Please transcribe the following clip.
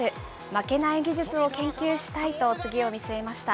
負けない技術を研究したいと次を見据えました。